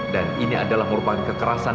dan ini adalah merupakan kekerasan